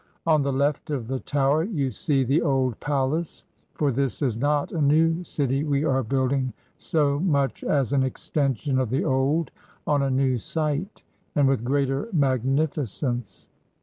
On the left of the tower you see the old palace, for this is not a new city we are building so much as an extension of the old on a new site, and with greater magnificence.